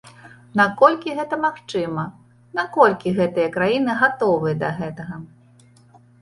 Наколькі гэта магчыма, наколькі гэтыя краіны гатовыя да гэтага?